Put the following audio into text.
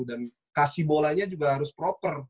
dan kasih bolanya juga harus proper